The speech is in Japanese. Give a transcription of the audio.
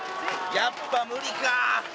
やっぱ無理か。